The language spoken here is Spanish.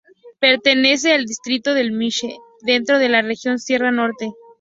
Pertenece al distrito de Mixe, dentro de la región sierra norte.